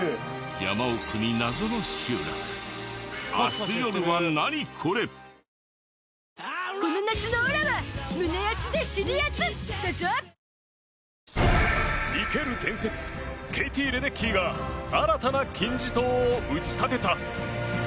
しみるごほうびだ生ける伝説ケイティ・レデッキーが新たな金字塔を打ち立てた。